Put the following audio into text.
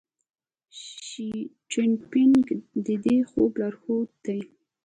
شي جین پینګ د دې خوب لارښود دی.